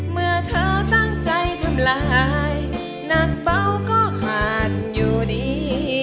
เมื่อเธอตั้งใจทำลายหนักเบาก็ผ่านอยู่ดี